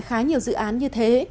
khá nhiều dự án như thế